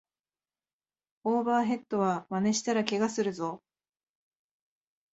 オーバーヘッドはまねしたらケガするぞ